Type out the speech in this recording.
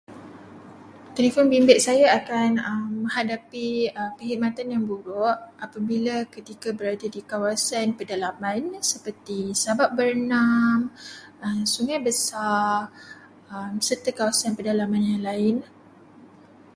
Telefon bimbit saya akan menghadapi perkhidmatan yang buruk apabila ketika berada di kawasan pedalaman seperti Sabak Bernam, Sungai Besar, serta kawasan perdalaman yang lain.